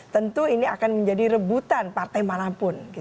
tentu ini akan menjadi rebutan partai manapun